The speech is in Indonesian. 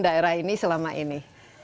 daerah ini selama ini